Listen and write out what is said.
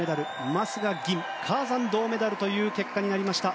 マスが銀カーザン、銅メダルという結果になりました。